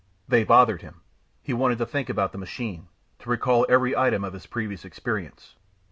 They bothered him. He wanted to think about the machine, to recall every item of his previous experience.